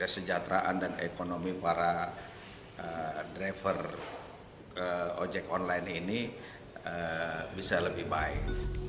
kesejahteraan dan ekonomi para driver ojek online ini bisa lebih baik